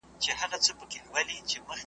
ظریف خان ته ګوره او تاوان ته یې ګوره